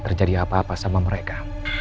terjadi apa apa sama mereka